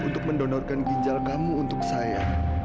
untuk mendonorkan ginjal kamu untuk saya